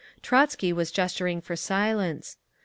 Trotzky was gesturing for silence.